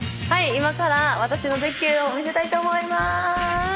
今から私の絶景を見せたいと思います。